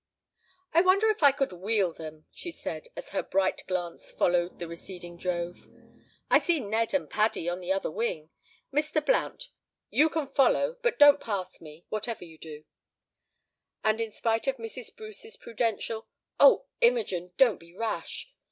"I wonder if I could 'wheel' them," she said, as her bright glance followed the receding drove; "I see Ned and Paddy on the other wing; Mr. Blount, you can follow, but don't pass me, whatever you do;" and in spite of Mrs. Bruce's prudential "Oh! Imogen, don't be rash!"